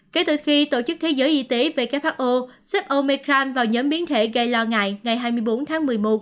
kể từ khi tổ chức thế giới y tế who xếp omecram vào nhóm biến thể gây lo ngại ngày hai mươi bốn tháng một mươi một